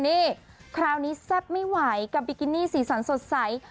นี่คราวนี้แซ่บไม่ไหวกับบิกินี่สีสันสดใส